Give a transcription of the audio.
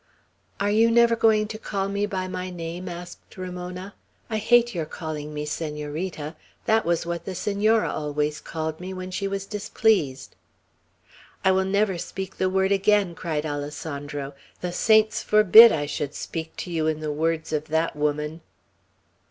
"Are you never going to call me by my name?" asked Ramona. "I hate your calling me Senorita. That was what the Senora always called me when she was displeased." "I will never speak the word again!" cried Alessandro. "The saints forbid I should speak to you in the words of that woman!"